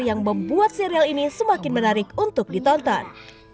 yang membuat serial ini semakin menarik untuk ditonton